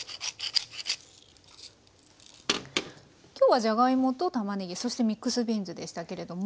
今日はじゃがいもとたまねぎそしてミックスビーンズでしたけれども。